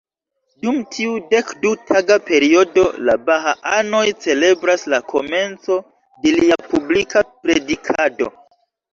Dum tiu dekdu-taga periodo, la baha-anoj celebras la komenco de lia publika predikado.